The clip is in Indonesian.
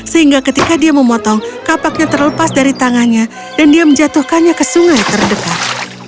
sehingga ketika dia memotong kapaknya terlepas dari tangannya dan dia menjatuhkannya ke sungai terdekat